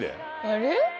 あれ？